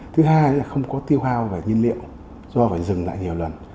thứ hai là không có tiêu hao về nhiên liệu do phải dừng lại nhiều lần